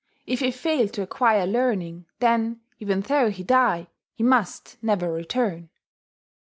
If he fail to acquire learning, then, even though he die, he must never return.